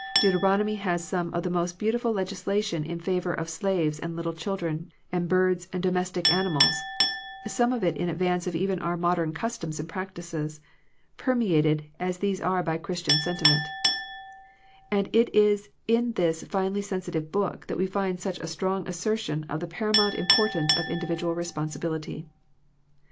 Deuteronomy has some of the most beautiful legislation in favor of slaves and little children and birds and domes tic animals, some of it in advance of even our modern customs and practices, per meated as these are by Christian senti ment And it is in this finely sensitive Book that we find such strong assertion of the paramount importance of individ ual responsibility.